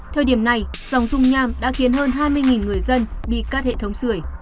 thời điểm này dòng rung nham đã khiến hơn hai mươi người dân bị cắt hệ thống sửa